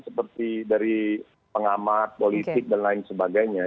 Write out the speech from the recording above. seperti dari pengamat politik dan lain sebagainya